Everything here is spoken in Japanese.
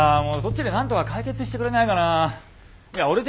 もうそっちでなんとか解決してくれないかなあ。